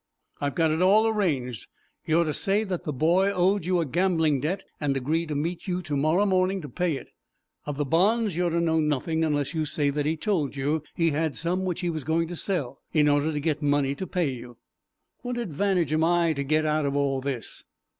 "I've got it all arranged. You are to say that the boy owed you a gambling debt, and agreed to meet you to morrow morning to pay it. Of the bonds, you are to know nothing, unless you say that he told you he had some which he was going to sell, in order to get money to pay you." "What advantage am I to get out of all this?"